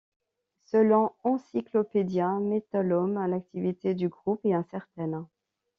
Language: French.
Selon Encyclopaedia Metallum, l'activité du groupe est incertaine.